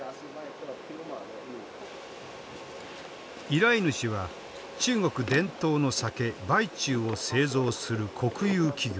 依頼主は中国伝統の酒白酒を製造する国有企業。